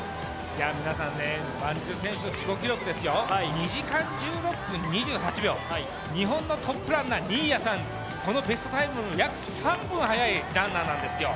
皆さんワンジル選手の自己記録ですよ、２時間１６分２８秒、日本のトップランナー、２位や３位でも、このタイム約３分速いランナーなんですよね。